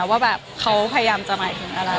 ว่าแบบเขาพยายามจะหมายถึงอะไร